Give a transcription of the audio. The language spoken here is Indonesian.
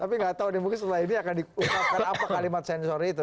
tapi nggak tahu nih mungkin setelah ini akan diungkapkan apa kalimat sensornya itu